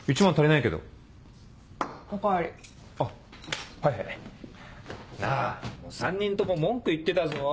なぁ３人とも文句言ってたぞ。